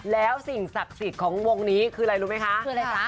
แล้วสิ่งศักดิ์สิทธิ์ของวงนี้คืออะไรรู้ไหมคะคืออะไรจ๊ะ